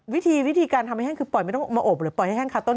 วิธีการทำให้แห้งคือปล่อยไม่ต้องเอามาอบหรือปล่อยให้แห้งคาต้น